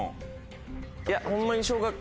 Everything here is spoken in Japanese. いやホンマに。